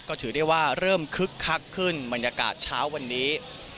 ก็ถือได้ว่าเริ่มคึกคักขึ้นบรรยากาศเช้าวันนี้